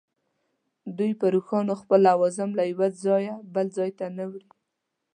دوی پر اوښانو خپل لوازم له یوه ځایه بل ته نه وړي.